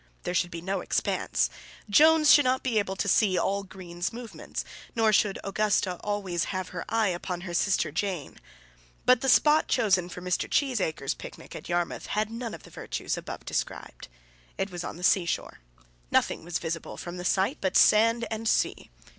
There should be no expanse. Jones should not be able to see all Greene's movements, nor should Augusta always have her eye upon her sister Jane. But the spot chosen for Mr. Cheesacre's picnic at Yarmouth had none of the virtues above described. It was on the seashore. Nothing was visible from the site but sand and sea.